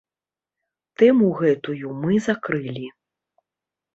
Тэму гэтую мы закрылі.